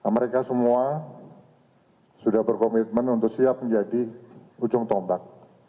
mereka semua sudah berkomitmen untuk siap menjadi ujung tombak